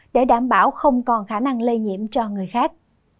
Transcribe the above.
để đảm bảo không còn khả năng lây nhiễm cho người khác